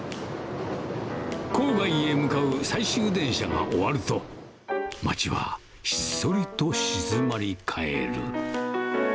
郊外へ向かう最終電車が終わると、街はひっそりと静まり返る。